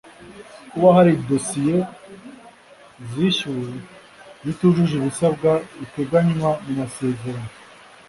Kuba hari dosiye zishyuwe zitujuje ibisabwa biteganywa mu masezerano